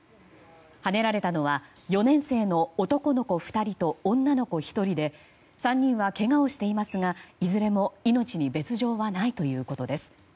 はねられたのは４年生の男の子２人と女の子１人で３人はけがをしていますがいずれも命に別条はないということです。